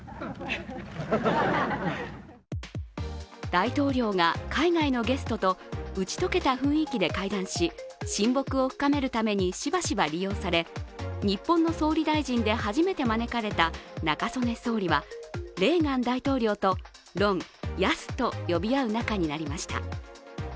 大統領が海外のゲストとうち解けた雰囲気で会談し、親睦を深めるためにしばしば利用され日本の総理大臣で初めて招かれた中曽根総理はレーガン大統領とロン・ヤスと呼び合う仲になりました。